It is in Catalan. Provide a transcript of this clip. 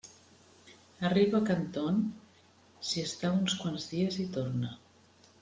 Arriba a Canton, s'hi està uns quants dies i torna.